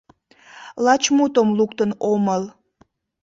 Лач мутым луктын омыл.